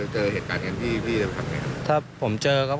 เจอเหตุการณ์แทนที่พี่ได้ไปทำไงครับ